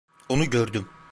Onu gördüm.